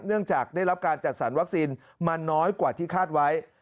เนื่องจากได้รับการจัดสรรวัคซีนมาน้อยกว่าที่คาดไว้